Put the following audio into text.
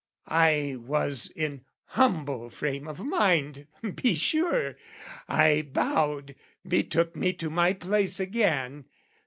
I was in humble frame of mind, be sure! I bowed, betook me to my place again.